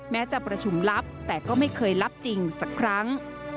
แม้จะประชุมลับแต่ก็ไม่เคยรับจริงสักครั้ง